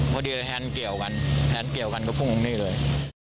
พอดีแฮนด์เกี่ยวกันแฮนด์เกี่ยวกันก็พุ่งตรงนี้เลย